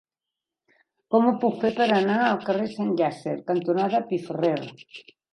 Com ho puc fer per anar al carrer Sant Llàtzer cantonada Piferrer?